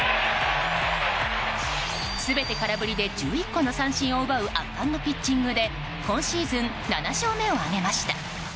全て空振りで１１個の三振を奪う圧巻のピッチングで今シーズン７勝目を挙げました。